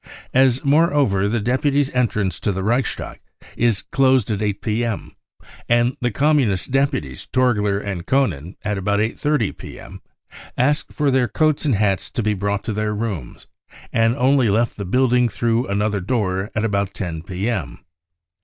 As moreover the deputies' entrance to the Reichstag is closed at 8 p.m., and the Communist deputies Torgler and Koenen at about 8.30 p.m. asked for their coats and hats to be brought to their rooms, and only left the building through another door at about 10 p.m.